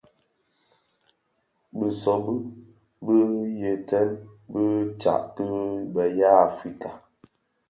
Bisobi bi yeten bi tsak ki be ya Afrika,